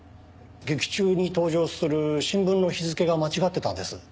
劇中に登場する新聞の日付が間違ってたんです。